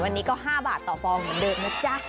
วันนี้ก็๕บาทต่อฟองเหมือนเดิมนะจ๊ะ